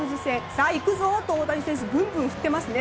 さあ、いくぞと大谷選手ぶんぶん振ってますね。